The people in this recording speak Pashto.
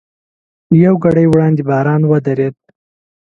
یوه ګړۍ وړاندې باران ودرېد.